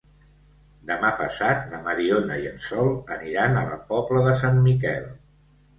Demà passat na Mariona i en Sol aniran a la Pobla de Sant Miquel.